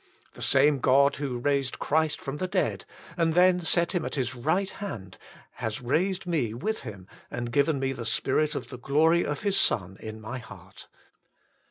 The same God who raised Christ from the dead, and then set Him at His right hand, has raised me with Him and given me the Spirit of the glory of His Son in my heart.